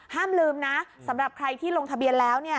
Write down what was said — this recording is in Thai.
ห้ามลืมนะสำหรับใครที่ลงทะเบียนแล้ว